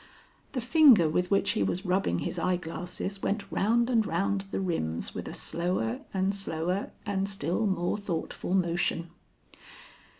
The finger with which he was rubbing his eyeglasses went round and round the rims with a slower and slower and still more thoughtful motion.